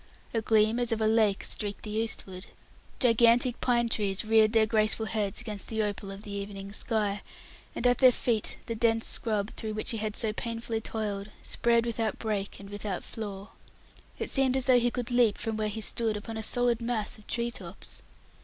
A gleam, as of a lake, streaked the eastward. Gigantic pine trees reared their graceful heads against the opal of the evening sky, and at their feet the dense scrub through which he had so painfully toiled, spread without break and without flaw. It seemed as though he could leap from where he stood upon a solid mass of tree tops.